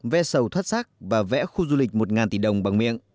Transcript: ve sầu thoát và vẽ khu du lịch một tỷ đồng bằng miệng